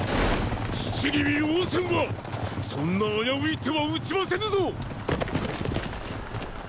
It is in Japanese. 父君王翦はそんな危うい手は打ちませぬぞ！